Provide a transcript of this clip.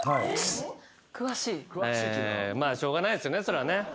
しょうがないですよねそれはね。